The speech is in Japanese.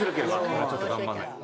それはちょっと頑張んないと。